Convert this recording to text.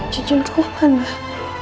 cucu aku apaan mbak